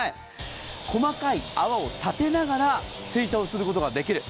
細かい泡を立てながら、洗車をすることができる。